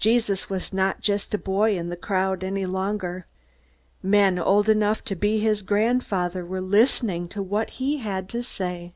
Jesus was not just a boy in the crowd any longer. Men old enough to be his grand father were listening to what he had to say.